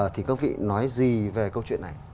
thì các vị nói gì về câu chuyện này